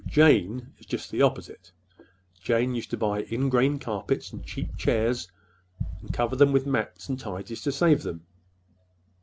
"Jane is just the opposite. Jane used to buy ingrain carpets and cheap chairs and cover them with mats and tidies to save them."